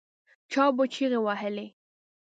چا به چیغې وهلې.